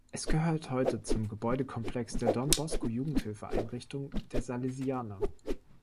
Es gehört heute zum Gebäudekomplex der "Don-Bosco-Jugendhilfeeinrichtung" der Salesianer.